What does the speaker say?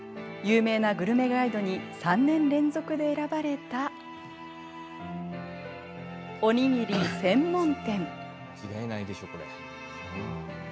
有名なグルメガイドに３年連続で選ばれたおにぎり専門店。